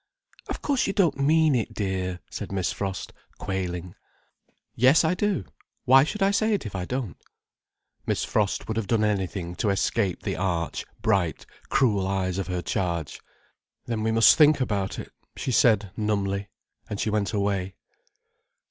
"Of course you don't mean it, dear," said Miss Frost, quailing. "Yes, I do. Why should I say it if I don't." Miss Frost would have done anything to escape the arch, bright, cruel eyes of her charge. "Then we must think about it," she said, numbly. And she went away.